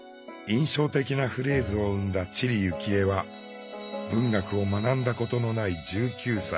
印象的なフレーズを生んだ知里幸恵は文学を学んだことのない１９歳。